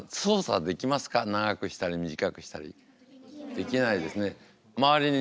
できないですね。